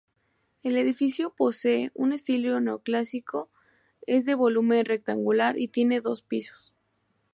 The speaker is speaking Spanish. El edificio posee un estilo neoclásico, es de volumen rectangular y tiene dos pisos.